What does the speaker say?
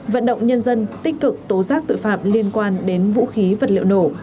vận động nhân dân tích cực tố giác tội phạm liên quan đến vũ khí vật liệu nổ